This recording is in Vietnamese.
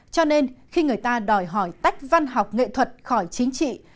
cho nên khi người ta đòi hỏi tách văn học nghệ thuật khỏi chính trị